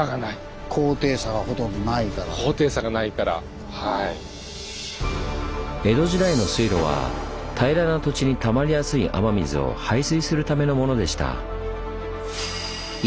ご覧頂くと江戸時代の水路は平らな土地にたまりやすい雨水を排水するためのものでした。